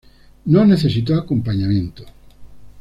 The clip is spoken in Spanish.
No necesitó acompañamiento.